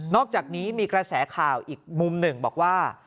อกจากนี้มีกระแสข่าวอีกมุมหนึ่งบอกว่า